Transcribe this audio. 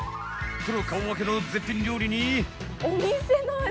プロ顔負けの絶品料理に。